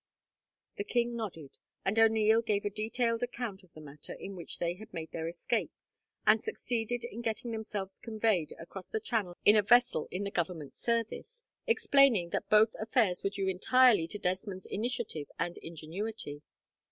The king nodded, and O'Neil gave a detailed account of the manner in which they had made their escape, and succeeded in getting themselves conveyed across the channel in a vessel in the Government service, explaining that both affairs were due entirely to Desmond's initiative and ingenuity.